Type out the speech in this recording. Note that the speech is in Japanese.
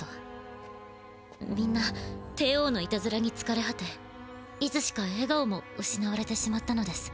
みんな帝王のいたずらにつかれはていつしかえがおもうしなわれてしまったのです。